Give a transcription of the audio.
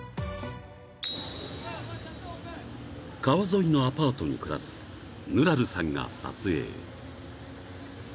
［川沿いのアパートに暮らすヌラルさんが撮影］